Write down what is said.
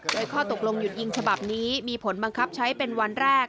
โดยข้อตกลงหยุดยิงฉบับนี้มีผลบังคับใช้เป็นวันแรก